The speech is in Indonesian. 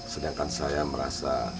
sedangkan saya merasa